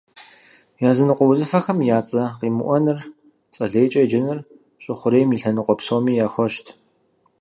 Языныкъуэ узыфэхэм я цӏэ къимыӏуэныр, цӏэ лейкӏэ еджэныр щӏы хъурейм и лъэныкъуэ псоми яхуэщт.